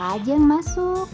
kakak aja yang masuk